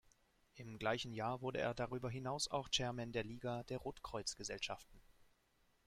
Im gleichen Jahr wurde er darüber hinaus auch Chairman der Liga der Rotkreuz-Gesellschaften.